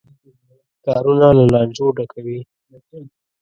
کارونه له لانجو ډکوي.